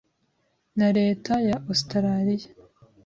na leta ya Australia